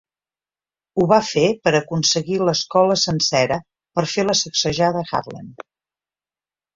Ho va fer per aconseguir l'escola sencera per fer la sacsejada Harlem.